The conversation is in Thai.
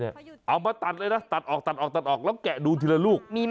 เอามาตัดเลยนะตัดออกแล้วแกะดูทีละลูก